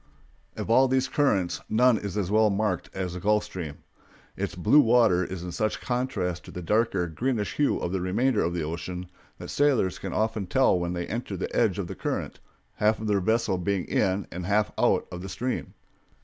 Of all these currents none is as well marked as the Gulf Stream. Its blue water is in such contrast to the darker, greenish hue of the remainder of the ocean that sailors can often tell when they enter the edge of the current, half their vessel being in and half out of the stream.